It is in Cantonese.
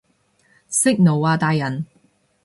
息怒啊大人